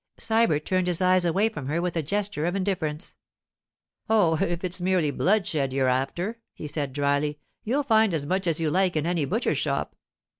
Sybert turned his eyes away from her with a gesture of indifference. 'Oh, if it's merely bloodshed you're after,' he said dryly, 'you'll find as much as you like in any butcher's shop.